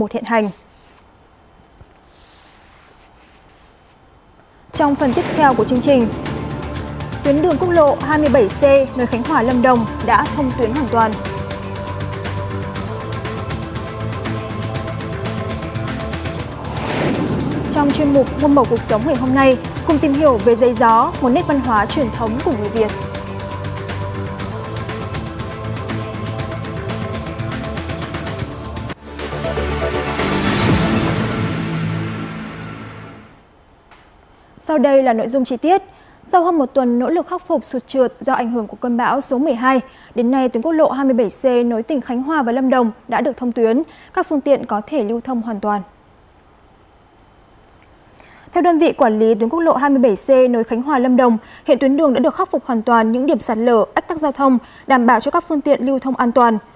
theo đơn vị quản lý tuyến cúc lộ hai mươi bảy c nơi khánh hòa lâm đồng hiện tuyến đường đã được khắc phục hoàn toàn những điểm sạt lở ách tắc giao thông đảm bảo cho các phương tiện lưu thông an toàn